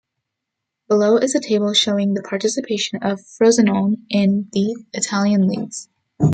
Below is a table showing the participation of Frosinone in the Italian leagues.